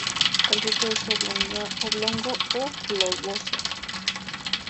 El fruto es oblongo a globoso.